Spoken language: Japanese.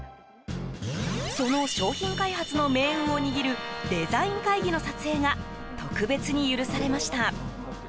その商品開発の命運を握るデザイン会議の撮影が特別に許されました。